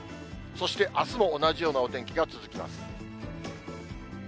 そしてあすも同じようなお天気が続きます。